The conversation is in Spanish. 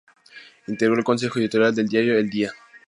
Integró el Consejo Editorial del diario El Día.